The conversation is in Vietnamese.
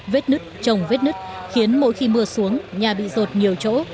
vết nứt trồng vết nứt khiến mỗi khi mưa xuống nhà bị rột nhiều chỗ